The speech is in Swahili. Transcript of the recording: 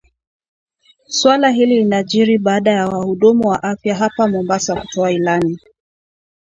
Suala hili linajiri baada ya wahudumu wa afya hapa Mombasa kutoa ilani